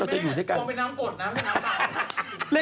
ถังไม่ไปกับพี่แน่นอนเลยค่ะ